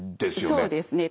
そうですね。